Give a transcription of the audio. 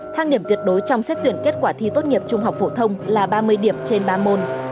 thang điểm tuyệt đối trong xét tuyển kết quả thi tốt nghiệp trung học phổ thông là ba mươi điểm trên ba môn